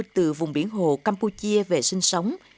từ vùng biển hồ campuchia về sinh sống